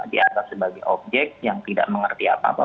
dianggap sebagai objek yang tidak mengerti apa apa